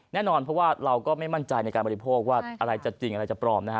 แน่นอนเพราะว่าเราก็ไม่มั่นใจในการบริโภคว่าอะไรจะจริงอะไรจะปลอมนะฮะ